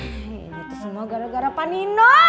ini tuh semua gara gara panino